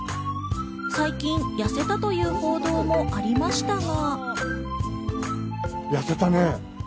最近、痩せたという報道もありましたが。